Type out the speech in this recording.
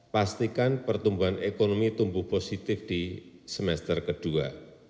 pastikan pertumbuhan ekonomi tumbuh positif di semester kedua